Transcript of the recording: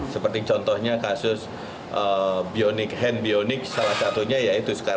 seperti contohnya kasus hand bionic salah satunya